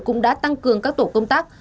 cũng đã tăng cường các tổ công tác